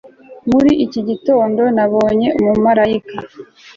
Muri iki gitondo nabonye umumarayika